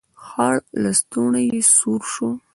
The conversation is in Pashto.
خړ لستوڼی يې سور شو.